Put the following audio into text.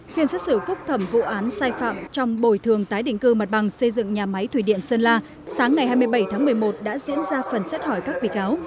phiên xét xử phúc thẩm vụ án sai phạm trong bồi thường tái định cư mặt bằng xây dựng nhà máy thủy điện sơn la sáng ngày hai mươi bảy tháng một mươi một đã diễn ra phần xét hỏi các bị cáo